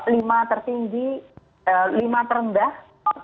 lima tertinggi lima terendah